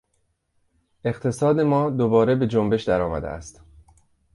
اقتصاد ما دوباره به جنبش در آمده است.